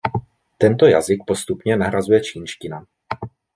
Tento jazyk postupně nahrazuje čínština.